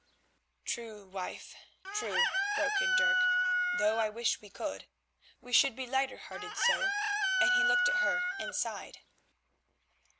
"True, wife, true," broke in Dirk, "though I wish we could; we should be lighter hearted so," and he looked at her and sighed.